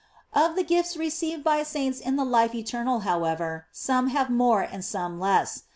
Of the gifts received by saints in the life eternal, how ever, some have more and some less.